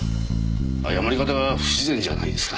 誤り方が不自然じゃないですか？